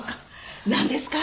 何ですか？